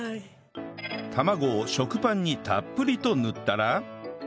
卵を食パンにたっぷりと塗ったら